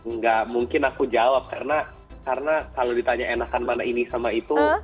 nggak mungkin aku jawab karena kalau ditanya enakan mana ini sama itu